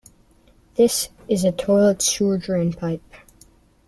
This is a toilet sewer drain pipe.